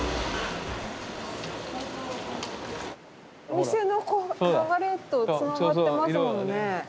お店の流れとつながってますもんね。